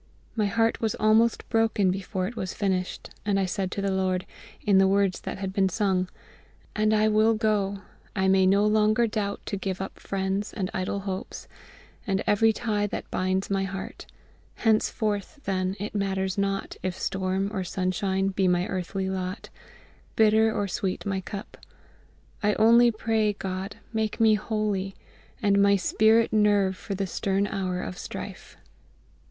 My heart was almost broken before it was finished, and I said to the LORD, in the words that had been sung "And I will go! I may no longer doubt to give up friends, and idol hopes, And every tie that binds my heart. ... Henceforth, then, it matters not, if storm or sunshine be my earthly lot, bitter or sweet my cup; I only pray, GOD, make me holy, And my spirit nerve for the stern hour of strife."